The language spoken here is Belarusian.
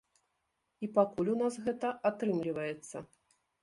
І пакуль у нас гэта атрымліваецца.